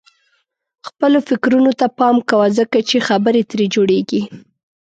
خپلو فکرونو ته پام کوه ځکه چې خبرې ترې جوړيږي.